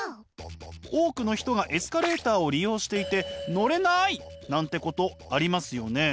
多くの人がエスカレーターを利用していて乗れない！なんてことありますよね？